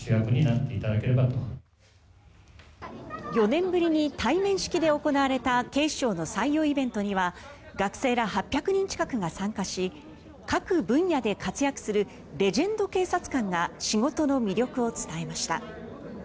４年ぶりに対面式で行われた警視庁の採用イベントには学生ら８００人近くが参加し各分野で活躍するレジェンド警察官が仕事の魅力を伝えました。